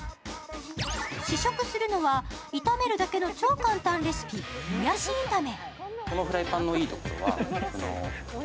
試食するのは、炒めるだけの超簡単レシピ、もやし炒め。